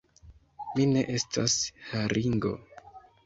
Mi ne estas haringo!